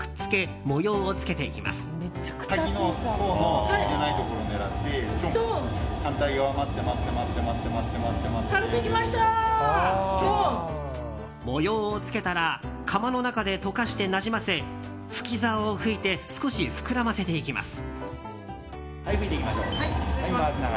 模様をつけたら窯の中で溶かしてなじませ吹き竿を吹いて少し膨らませていきます。